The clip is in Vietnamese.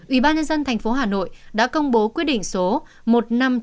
ủy ban nhân dân thành phố hà nội đã công bố quyết định số một nghìn năm trăm chín mươi chín